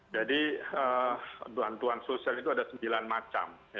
jadi bantuan sosial itu ada sembilan macam